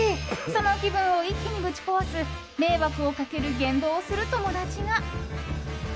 その気分を一気にぶち壊す迷惑をかける言動をする友達が。